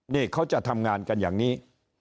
นี่เขาจะทำงานกันอย่างนี้